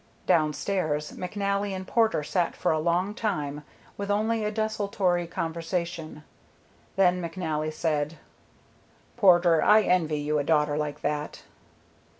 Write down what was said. Downstairs, McNally and Porter sat for a long time with only a desultory conversation. Then McNally said, "Porter, I envy you a daughter like that."